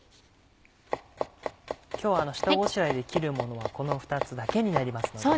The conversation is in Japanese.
今日は下ごしらえで切るものはこの２つだけになりますので。